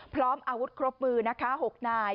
พร้อมอาวุธครบมือนะคะ๖นาย